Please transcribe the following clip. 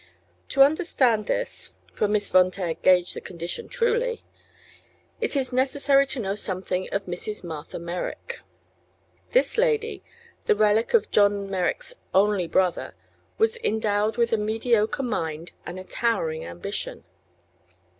To understand this for Miss Von Taer gauged the condition truly it is necessary to know something of Mrs. Martha Merrick. This lady, the relict of John Merrick's only brother, was endowed with a mediocre mind and a towering ambition.